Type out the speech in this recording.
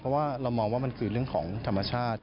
เพราะว่าเรามองว่ามันคือเรื่องของธรรมชาติ